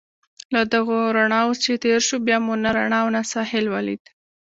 له دغو رڼاوو چې تېر شوو، بیا مو نه رڼا او نه ساحل ولید.